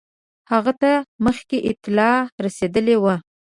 هغه ته مخکي اطلاع رسېدلې وه.